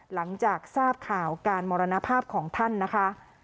หลังจากทราบข่าวการมรณภาพของท่านนะคะ